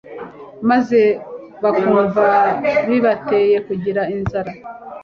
maze bakumva bibateye kugira inzara,